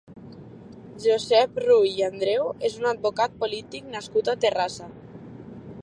Josep Rull i Andreu és un advocat i polític nascut a Terrassa.